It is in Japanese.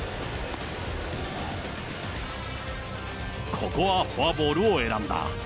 ここはフォアボールを選んだ。